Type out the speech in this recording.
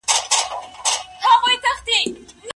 د ټونس پېښې نړۍ ته ټکان ورکړ.